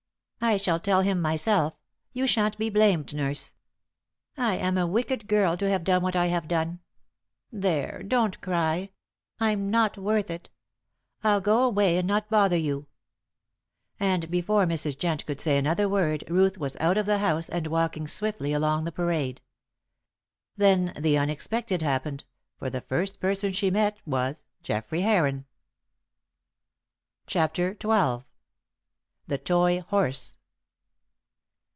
"I shall tell him myself; you shan't be blamed, nurse. I am a wicked girl to have done what I have done. There, don't cry, I'm not worth it. I'll go away and not bother you." And before Mrs. Jent could say another word Ruth was out of the house and walking swiftly along the parade. Then the unexpected happened, for the first person she met was Geoffrey Heron! CHAPTER XII. THE TOY HORSE.